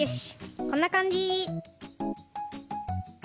こんなかんじ。